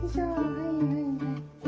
はいはいはい。